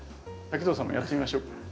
滝藤さんもやってみましょうか。